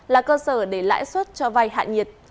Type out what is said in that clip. là cơ sở để lãi suất cho vay hạ nhiệt